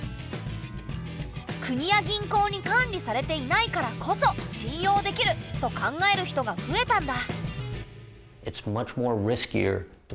国や銀行に管理されていないからこそ信用できる！と考える人が増えたんだ。